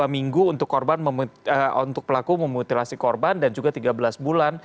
dua minggu untuk pelaku memutilasi korban dan juga tiga belas bulan